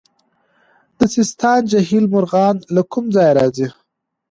د سیستان جهیل مرغان له کوم ځای راځي؟